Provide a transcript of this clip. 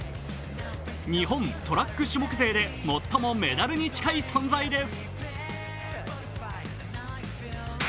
日本トラック種目勢で、最もメダルに近い存在です。